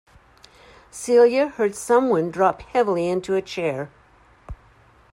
Celia heard some one drop heavily into a chair.